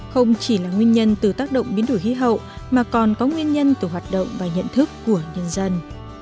không chỉ là nguyên nhân từ tác động biến đổi khí hậu mà còn có nguyên nhân từ hoạt động và nhận thức của nhân dân